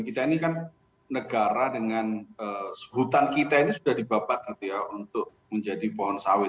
kita ini kan negara dengan hutan kita ini sudah dibapat gitu ya untuk menjadi pohon sawit